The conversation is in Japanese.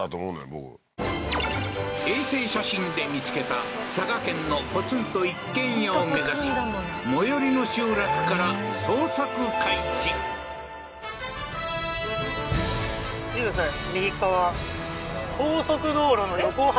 僕衛星写真で見つけた佐賀県のポツンと一軒家を目指し最寄りの集落から捜索開始そうですね